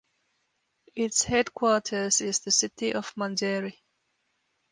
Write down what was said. Its headquarters is the city of Manjeri.